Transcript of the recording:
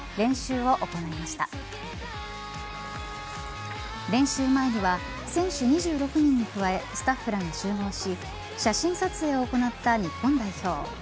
練習前には選手２６人に加えスタッフらが集合し写真撮影を行った日本代表。